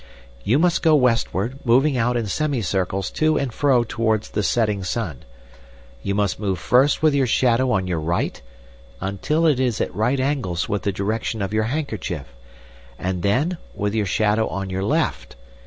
You must go westward, moving out in semicircles to and fro towards the setting sun. You must move first with your shadow on your right until it is at right angles with the direction of your handkerchief, and then with your shadow on your left.